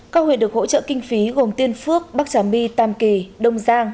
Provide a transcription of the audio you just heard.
các huyện được hỗ trợ kinh phí gồm tiên phước bắc trà my tam kỳ đông giang